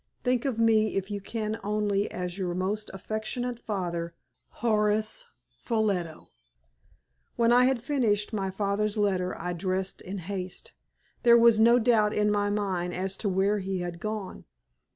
Think of me if you can only as your most affectionate father, Horace Ffolliot." When I had finished my father's letter I dressed in haste. There was no doubt in my mind as to where he had gone.